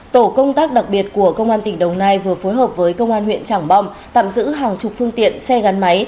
tổ công tác đặc biệt của công an tỉnh đồng nai vừa phối hợp với công an huyện trảng bom tạm giữ hàng chục phương tiện xe gắn máy